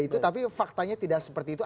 tapi faktanya tidak seperti itu